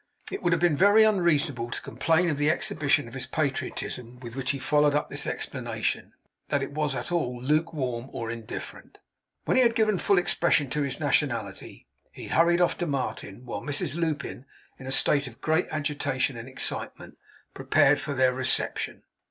It would have been very unreasonable to complain of the exhibition of his patriotism with which he followed up this explanation, that it was at all lukewarm or indifferent. When he had given full expression to his nationality, he hurried off to Martin; while Mrs Lupin, in a state of great agitation and excitement, prepared for their reception.